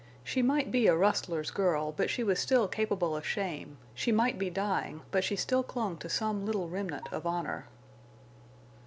She might be a rustler's girl, but she was still capable of shame, she might be dying, but she still clung to some little remnant of honor.